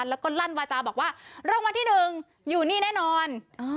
แล้วก็ลั่นวาจาบอกว่ารางวัลที่๑อยู่นี่แน่นอน